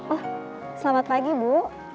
oh selamat pagi bu